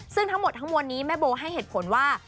ซึ่งทั้งหมดทั้งมวลนี้แม่โบให้เหตุผลว่า